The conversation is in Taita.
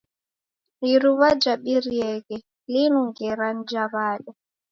Iru'wa jabirieghe linu, ngera ni ja w'ada.